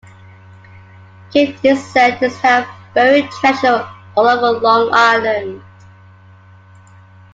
Kidd is said to have buried treasure all over Long Island.